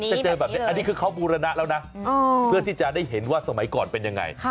เจอแบบนี้อันนี้คือเขาบูรณะแล้วนะเพื่อที่จะได้เห็นว่าสมัยก่อนเป็นยังไง